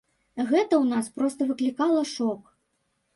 Гэта ў нас проста выклікала шок.